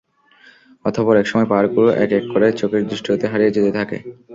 অতঃপর এক সময় পাহাড়গুলো এক এক করে চোখের দৃষ্টি হতে হারিয়ে যেতে থাকে।